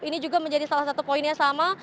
ini juga menjadi salah satu poin yang sama